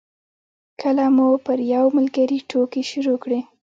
کله مو پر یو ملګري ټوکې شروع کړې.